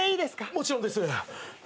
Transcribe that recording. もちろんです。